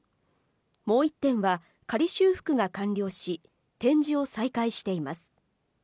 もう１点は仮修復が完了し、展示を再開しています。